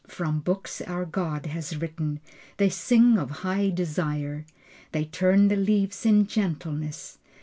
From books our God has written They sing of high desire. They turn the leaves in gentleness.